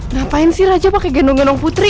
ngapain sih raja pakai gendong gendong putri